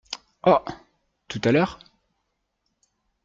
Oh !… tout à l’heure.